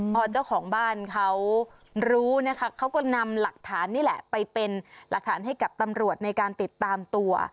พอเจ้าของบ้านเขารู้นะคะเขาก็นำหลักฐานนี่แหละไปเป็นหลักฐานให้กับตำรวจในการติดตามตัว